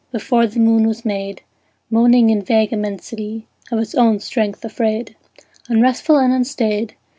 Before the moon was made, Moaning in vague immensity, Of its own strength afraid, Unresful and unstaid.